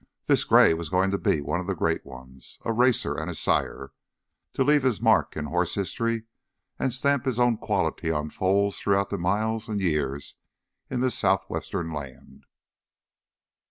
This gray was going to be one of the Great Ones, a racer and a sire—to leave his mark in horse history and stamp his own quality on foals throughout miles and years in this southwestern land.